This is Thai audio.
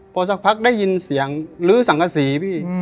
พอสักพักได้ยินเสียงลื้อสังกษีพี่